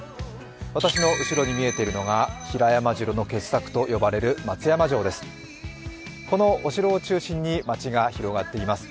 私の後ろに見えているのが平山城の傑作と言われている松山城です。